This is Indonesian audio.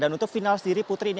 dan untuk final sendiri putri ini